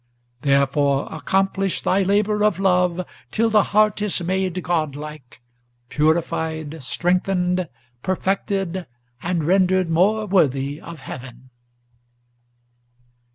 Therefore accomplish thy labor of love, till the heart is made godlike, Purified, strengthened, perfected, and rendered more worthy of heaven!"